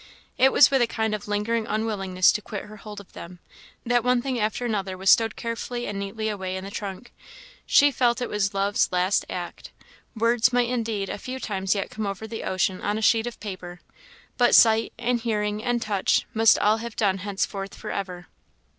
It was with a kind of lingering unwillingness to quit her hold of them, that one thing after another was stowed carefully and neatly away in the trunk. She felt it was love's last act; words might indeed a few times yet come over the ocean on a sheet of paper; but sight, and hearing, and touch, must all have done henceforth for ever.